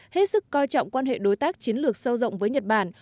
hết sức coi trọng quan hệ đối tác chiến lược sâu rộng với nhật bản